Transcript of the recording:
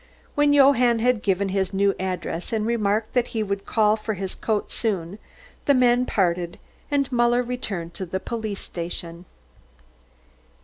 When Johann had given his new address and remarked that he would call for his coat soon, the men parted, and Muller returned to the police station.